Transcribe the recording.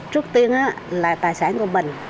trước tiên là tài sản của mình